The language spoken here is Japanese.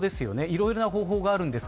いろいろな方法があります。